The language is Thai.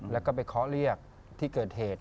แล้วก็ไปเคาะเรียกที่เกิดเหตุ